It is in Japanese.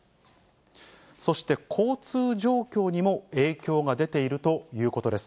そして交通状況にも影響が出ているということです。